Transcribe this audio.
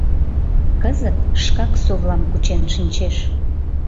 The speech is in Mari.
Кызыт шкак совлам кучен шинчеш.